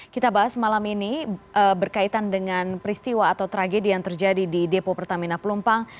kita bahas malam ini berkaitan dengan peristiwa atau tragedi yang terjadi di depo pertamina pelumpang